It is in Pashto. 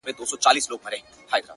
د غرمو گرم اورښته قدم اخله-